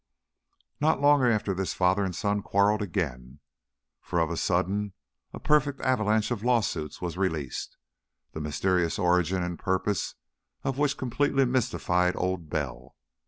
Not long after this father and son quarreled again, for of a sudden a perfect avalanche of lawsuits was released, the mysterious origin and purpose of which completely mystified Old Bell.